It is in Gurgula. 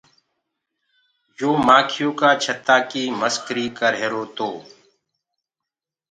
يو مآکيو ڪآ ڇتآ ڪي مسڪري ڪر رهيرو تو۔